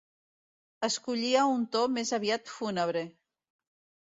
Escollia un to més aviat fúnebre.